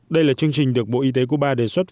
đây là chương trình được bộ y tế cuba đề xuất